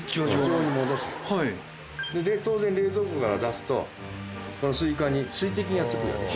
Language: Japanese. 常温に戻すの当然冷蔵庫から出すとこのスイカに水滴がつくよね